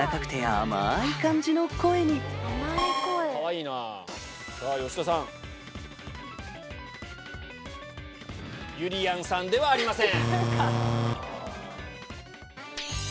ピンポンゆりやんさんではありません。